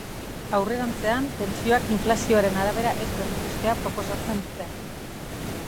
Aurrerantzean, pentsioak inflazioaren arabera ez berrikustea proposatzen dute.